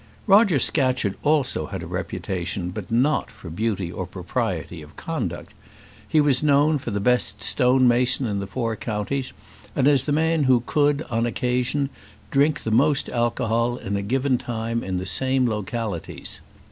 Roger Scatcherd had also a reputation, but not for beauty or propriety of conduct. He was known for the best stone mason in the four counties, and as the man who could, on occasion, drink the most alcohol in a given time in the same localities.